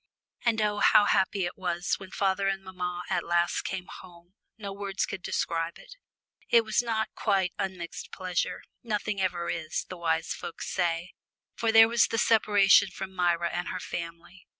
And oh, how happy it was when father and mamma at last came home no words can describe it. It was not quite unmixed pleasure nothing ever is, the wise folk say for there was the separation from Myra and her family.